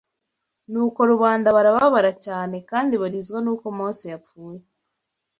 Nuko rubanda barababara cyane kandi barizwa n’uko Mose apfuye